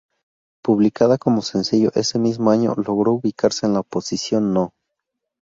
Publicada como sencillo ese mismo año, logró ubicarse en la posición No.